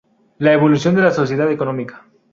La evolución de la sociedad económica.